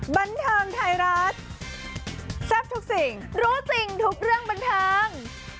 บันเทิงไทยรัฐแซ่บทุกสิ่งรู้จริงทุกเรื่องบันเทิง